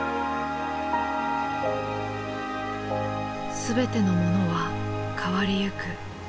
「全てのものは変わりゆく」。